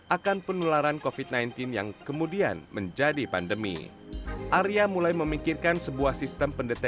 akan penularan covid sembilan belas yang kemudian menjadi penyakit